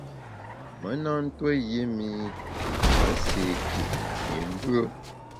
Me na ntuo yi mi me séé ké yi mvùe.